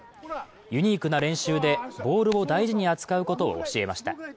ユニークな練習でボールを大事に扱うことを教えました。